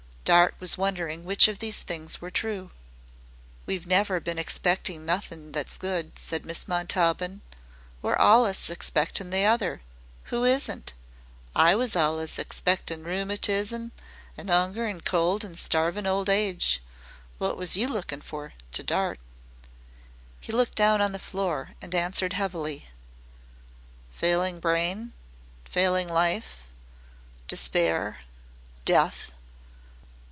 Dart was wondering which of these things were true. "We've never been expectin' nothin' that's good," said Miss Montaubyn. "We 're allus expectin' the other. Who isn't? I was allus expectin' rheumatiz an' 'unger an' cold an' starvin' old age. Wot was you lookin' for?" to Dart. He looked down on the floor and answered heavily. "Failing brain failing life despair death!"